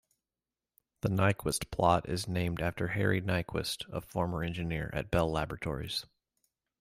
The Nyquist plot is named after Harry Nyquist, a former engineer at Bell Laboratories.